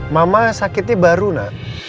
mama sakitnya baru na